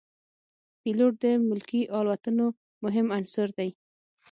پیلوټ د ملکي الوتنو مهم عنصر دی.